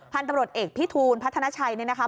พันธุ์ตำรวจเอกพิทูลพัฒนาชัยเนี่ยนะคะ